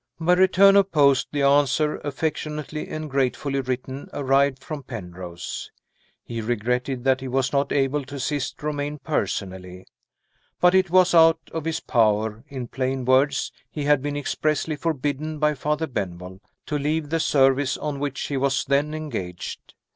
By return of post the answer, affectionately and gratefully written, arrived from Penrose. He regretted that he was not able to assist Romayne personally. But it was out of his power (in plain words, he had been expressly forbidden by Father Benwell) to leave the service on which he was then engaged.